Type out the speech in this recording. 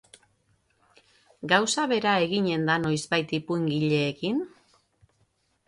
Gauza bera eginen da noizbait ipuingileekin?